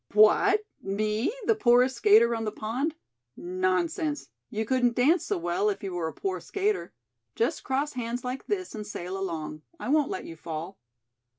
"What, me, the poorest skater on the pond?" "Nonsense! You couldn't dance so well if you were a poor skater. Just cross hands like this and sail along. I won't let you fall."